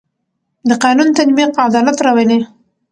د قانون تطبیق عدالت راولي